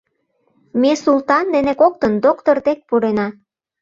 Ме Султан дене коктын доктор дек пурена.